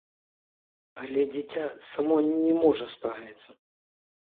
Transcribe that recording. Але дзіця само не можа справіцца.